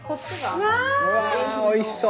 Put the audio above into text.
うわおいしそう。